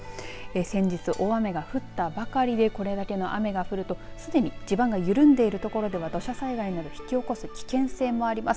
先日、大雨が降ったばかりでこれだけの雨が降るとすでに地盤が緩んでいる所では土砂災害を引き起こす危険性もあります。